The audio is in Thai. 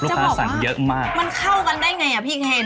จะบอกว่ามันเข้ากันได้ไงอ่ะพี่เคนลูกค้าสั่งเยอะมาก